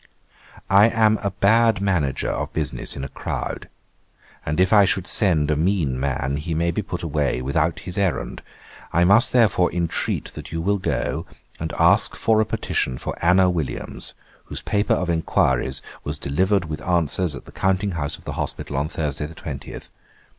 'I am a bad manager of business in a crowd; and if I should send a mean man, he may be put away without his errand. I must therefore intreat that you will go, and ask for a petition for Anna Williams, whose paper of enquiries was delivered with answers at the counting house of the hospital on Thursday the 20th.